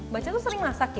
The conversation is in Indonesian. baca tuh sering masak ya